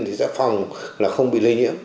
thì sẽ phòng là không bị lây nhiễm